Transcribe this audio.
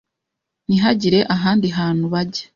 ntihagire ahandi hantu bajya.